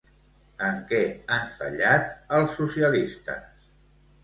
En què han fallat els socialistes?